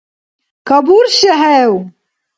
КабуршехӀев?